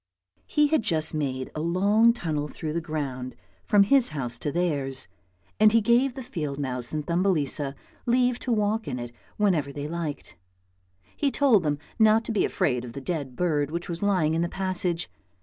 He had just made a long tunnel through the ground from THUMBELISA 73 his house to theirs, and he gave the field mouse and Thumbelisa leave to walk in it whenever they liked. He told them not to be afraid of the dead bird which was lying in the passage.